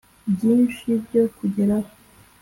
byinshi byo kugeraho,